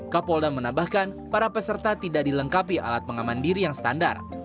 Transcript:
kapolda menambahkan para peserta tidak dilengkapi alat pengaman diri yang standar